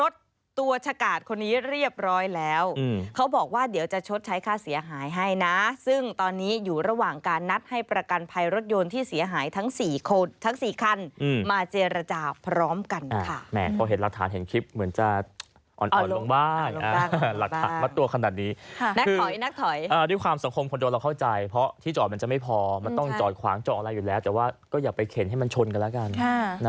ด้วยความสังคมคนโดนเราเข้าใจเพราะที่จอดมันจะไม่พอมันต้องจอดขวางจออะไรอยู่แล้วแต่ว่าก็อย่าไปเข็นให้มันชนกันแล้วกัน